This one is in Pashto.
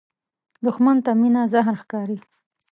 دښمن ته مینه زهر ښکاري